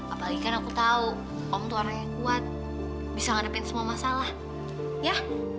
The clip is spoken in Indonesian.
apalagi kan aku tahu om tuh orang yang kuat bisa ngadepin semua masalah ya